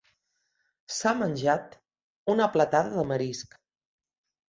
S'ha menjat una platada de marisc.